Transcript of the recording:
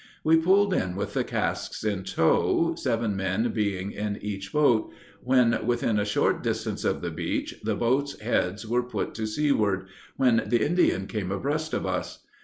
We pulled in with the casks in tow, seven men being in each boat; when within a short distance of the beach, the boat's heads were put to seaward, when the Indian came abreast of us.